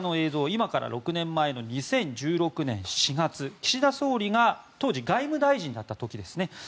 今から６年前の２０１６年４月岸田総理が当時、外務大臣だった時ですね。